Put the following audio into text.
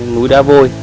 núi đá vôi